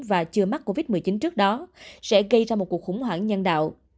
và chưa mắc covid một mươi chín trước đó sẽ gây ra một cuộc khủng hoảng nhân đạo